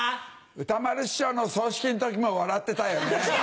歌丸師匠の葬式の時も笑ってたよね。